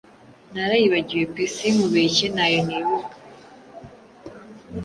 Narayibagiwe pe sinkubeshye ntayo nibuka